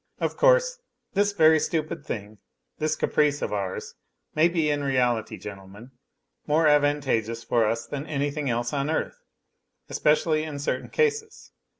Of course, this very stupid thing, this caprice of ours, may be in reality, gentlemen, more advantageous for us than anything else on earth, especially in certain cases.